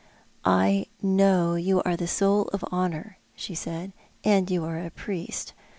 " I know you are the soul of honour," she said, " and you are a priest.